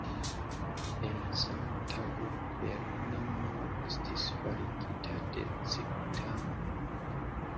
En sama tago, Berlina muro estis faligita de civitanoj.